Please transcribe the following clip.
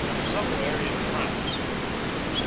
'SOMEWHERE IN FRANCE' _Sept.